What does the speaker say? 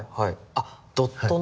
あっドットの。